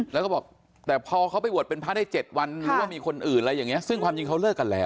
แล้วก็บอกแต่พอเขาไปบวชเป็นพระได้๗วันหรือว่ามีคนอื่นอะไรอย่างเงี้ซึ่งความจริงเขาเลิกกันแล้ว